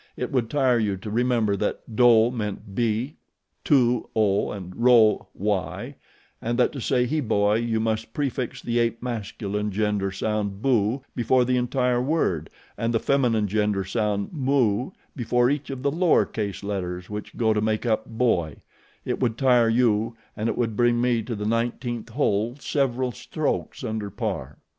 It would tire you to remember that DO meant b, TU o, and RO y, and that to say he boy you must prefix the ape masculine gender sound BU before the entire word and the feminine gender sound MU before each of the lower case letters which go to make up boy it would tire you and it would bring me to the nineteenth hole several strokes under par.